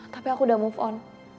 tapi aku udah move on